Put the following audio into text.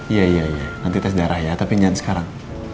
iya iya iya nanti tes darah ya tapi jangan sekarang